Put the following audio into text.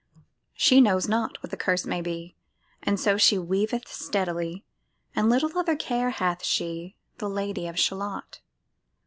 She knows not what the curse may be, And so she weaveth steadily, And little other care hath she, The Lady of Shalott.